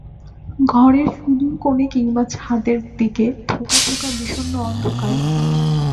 ঘরের সুদূর কোণে কিংবা ছাদের দিকে থােকা থােকা বিষন্ন অন্ধকার।